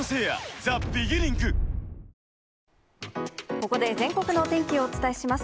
ここで全国のお天気をお伝えします。